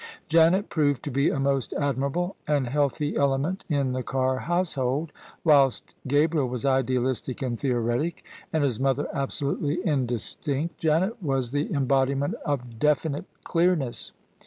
Janet proved to be a most admirable and healthy element in the Carr household. Whilst Gabriel was idealistic and theoretic, and his mother absolutely indistinct, Janet was the embodiment of definite clearness.